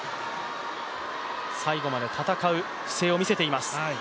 最後まで戦う姿勢を見せています。